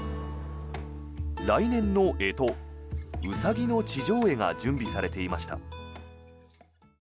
来年の干支、ウサギの地上絵が準備されていました。